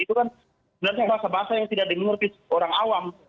itu kan benar benar bahasa bahasa yang tidak diminirvis orang awam